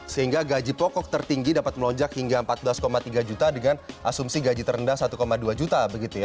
sehingga gaji pokok tertinggi dapat melonjak hingga empat belas tiga juta dengan asumsi gaji terendah satu dua juta